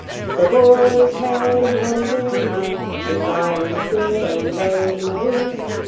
The boar's head in hand bring I, With garlands gay and rosemary.